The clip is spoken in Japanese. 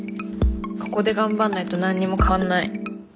ここで頑張んないと何にも変わんない。